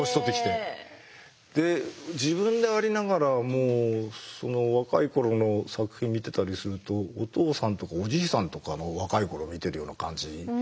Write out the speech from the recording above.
で自分でありながら若い頃の作品見てたりするとお父さんとかおじいさんとかの若い頃見てるような感じになってくる。